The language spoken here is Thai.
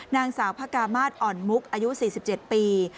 นางสาวพระกามาศอ่อนมุกอายุ๔๗ปี